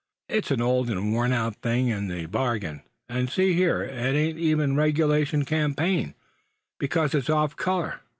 "It's an old and worn out thing in the bargain; and see here, it ain't even regulation campaign, because it's off color.